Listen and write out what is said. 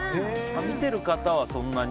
見てる方はそんなに。